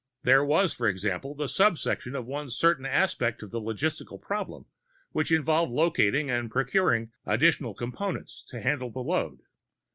There was, for example, the subsection of one certain aspect of the logistical problem which involved locating and procuring additional Components to handle the load.